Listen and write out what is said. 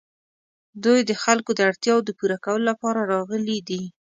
دوی د خلکو د اړتیاوو د پوره کولو لپاره راغلي دي.